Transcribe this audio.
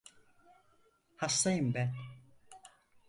Hastayım ben…